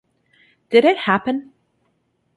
Did it happen?